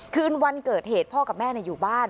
คืนวันเกิดเหตุพ่อกับแม่อยู่บ้าน